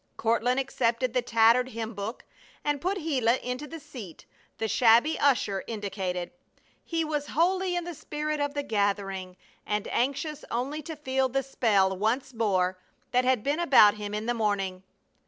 Courtland accepted the tattered hymn book and put Gila into the seat the shabby usher indicated. He was wholly in the spirit of the gathering, and anxious only to feel the spell once more that had been about him in the morning.